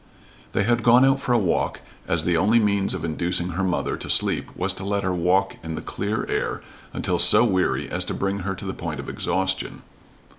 They had gone out for a walk, as the only means of inducing her mother to sleep was to let her walk in the clear air until so weary as to bring her to the point of exhaustion.